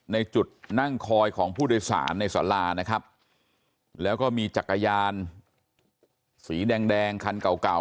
ในจุดนั่งคอยของผู้โดยสารในสารานะครับแล้วก็มีจักรยานสีแดงแดงคันเก่าเก่า